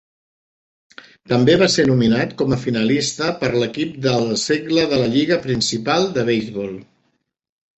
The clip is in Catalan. També va ser nominat com a finalista per a l'Equip del Segle de la Lliga Principal de Beisbol.